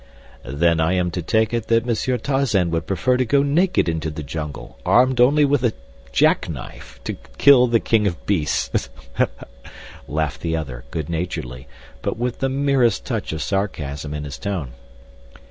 "Then I am to take it that Monsieur Tarzan would prefer to go naked into the jungle, armed only with a jackknife, to kill the king of beasts," laughed the other, good naturedly, but with the merest touch of sarcasm in his tone.